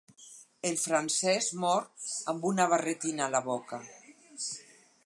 El francès mor amb una barretina a la boca.